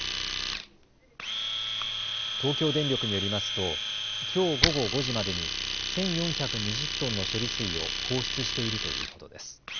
東京電力によりますときょう午後５時までに１４２０トンの処理水を放出しているということです。